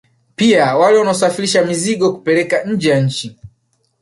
Pia wale wanaosafirisha mizigo kupeleka nje ya nchi